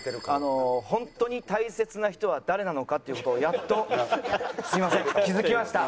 ホントに大切な人は誰なのかっていう事をやっとすいません気づきました。